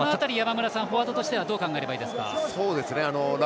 フォワードとしてはどう考えればいいですか。